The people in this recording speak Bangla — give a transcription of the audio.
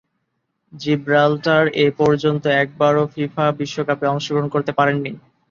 জিব্রাল্টার এপর্যন্ত একবারও ফিফা বিশ্বকাপে অংশগ্রহণ করতে পারেনি।